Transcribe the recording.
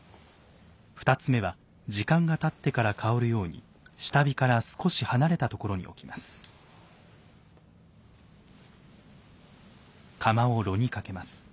２つ目は時間がたってから香るように下火から少し離れたところに置きます。